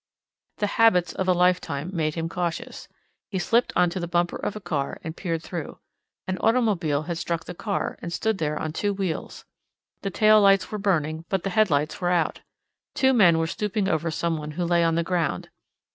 The habits of a lifetime made him cautious. He slipped on to the bumper of a car and peered through. An automobile had struck the car, and stood there on two wheels. The tail lights were burning, but the headlights were out. Two men were stooping over some one who lay on the ground.